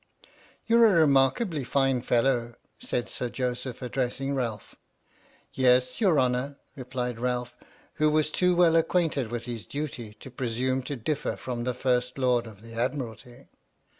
" You're a remarkably fine fellow," said Sir Joseph, addressing Ralph. "Yes, your honour," replied Ralph, who was too well acquainted with his duty to presume to differ from the First Lord of the Admiralty.